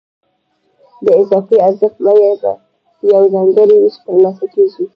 د اضافي ارزښت بیه په یو ځانګړي وېش ترلاسه کېږي